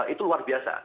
itu luar biasa